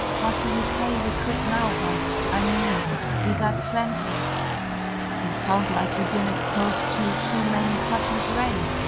"What do you say we quit now, Gus? I mean it. We got plenty." "You sound like you been exposed to too many cosmic rays!"